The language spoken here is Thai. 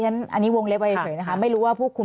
อันนี้วงเล็กไปเฉยนะคะ